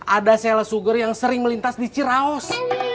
ada seorang seorang yang sering melintas di ciraos